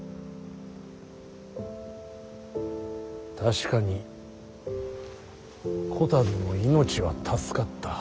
確かにこたびも命は助かった。